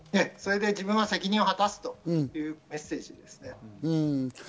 で、自分は責任は果たすというメッセージです。